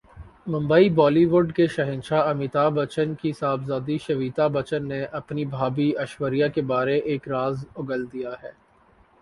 ممبئی بالی would کے شہنشاہ امیتابھبچن کی صاحبزادی شویتا بچن نے اپنی بھابھی ایشوریا کے بارے ایک راز اگل دیا ہے